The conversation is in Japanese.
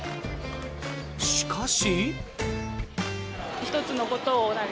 しかし。